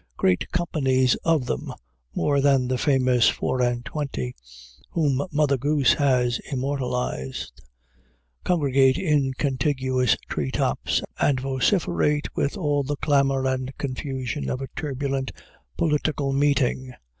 Great companies of them more than the famous "four and twenty" whom Mother Goose has immortalized congregate in contiguous tree tops and vociferate with all the clamor and confusion of a turbulent political meeting.